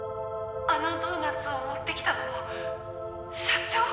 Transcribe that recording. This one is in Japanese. あのドーナツを持ってきたのも社長？